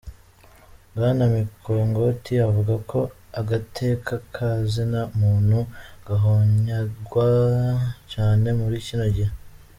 Bwana Mikongoti avuga ko agateka ka zina muntu gahonyangwa cane muri kino gihe.